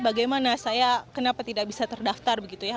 bagaimana saya kenapa tidak bisa terdaftar begitu ya